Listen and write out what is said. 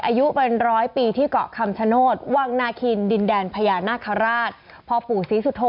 อายุเป็นร้อยปีที่เกาะคำชโนธวังนาคินดินแดนพญานาคาราชพ่อปู่ศรีสุโธ